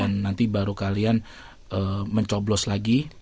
dan nanti baru kalian mencoblos lagi